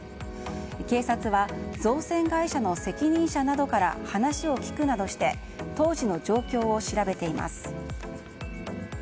警察は造船会社の責任者などから話を聞くなどして当時の状況を調べています。